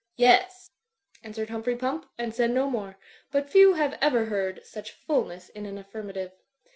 "Yes," answered Humphrey Pump, and said no more; but few have ever heard such fulness in an affirmative.